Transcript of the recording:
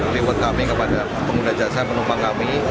terima kasih kepada pengguna jasa penumpang kami